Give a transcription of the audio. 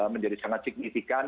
menjadi sangat signifikan